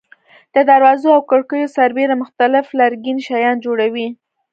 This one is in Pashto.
د دروازو او کړکیو سربېره مختلف لرګین شیان جوړوي.